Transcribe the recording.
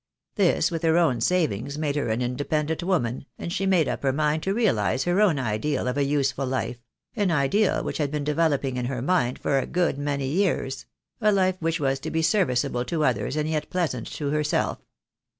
This, with her own savings, made her an independent woman, and she made up her mind to realize her own ideal of a useful life — an ideal which had been developing in her mind for a good many years — a life which was to be serviceable to others, and yet pleasant to herself."